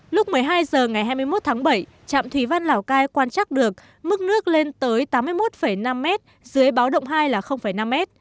lúc một mươi hai h ngày hai mươi một tháng bảy trạm thủy văn lào cai quan trắc được mức nước lên tới tám mươi một năm m dưới báo động hai là năm m